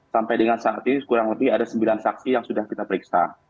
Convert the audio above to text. sampai dengan saat ini kurang lebih ada sembilan saksi yang sudah kita periksa